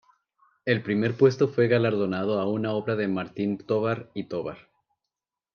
El primer puesto fue galardonado a una obra de Martín Tovar y Tovar.